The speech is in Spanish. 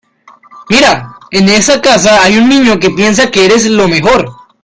Mira, en esa casa hay un niño que piensa que eres lo mejor.